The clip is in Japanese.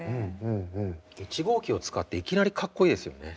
１号機を使っていきなりかっこいいですよね。